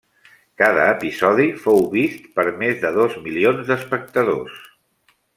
Cada episodi fou vist per més de dos milions d'espectadors.